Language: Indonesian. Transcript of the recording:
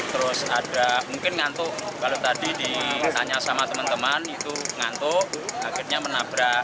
terus ada mungkin ngantuk kalau tadi ditanya sama teman teman itu ngantuk akhirnya menabrak